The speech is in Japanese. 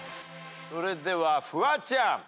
それではフワちゃん。